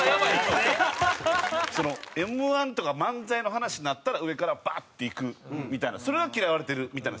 Ｍ−１とか漫才の話になったら上からバーっていくみたいなそれが嫌われてるみたいなんです。